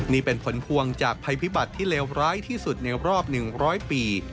นี่เป็นผลพวงจากภัยพิบัติที่เลวร้ายที่สุดในรอบ๑๐๐ปี